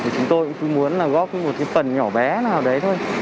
chúng tôi cũng muốn góp một cái phần nhỏ bé nào đấy thôi